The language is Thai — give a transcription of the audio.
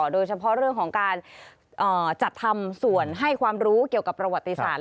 โดยเฉพาะเรื่องของการจัดทำส่วนให้ความรู้เกี่ยวกับประวัติศาสต